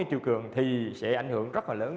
chiều cường thì sẽ ảnh hưởng rất là lớn